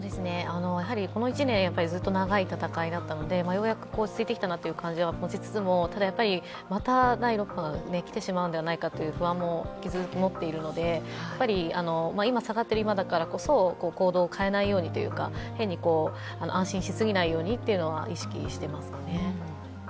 この１年、ずっと長い闘いだったのでようやく落ち着いてきたなという感じは持ちつつもただ、また第６波が来てしまうのではないかという不安も引き続き持っているので、下がっている今だからこそ行動を変えないようにというか、変に安心しすぎないようにというのは意識しています。